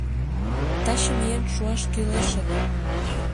Таче миен шуаш кӱлеш ыле.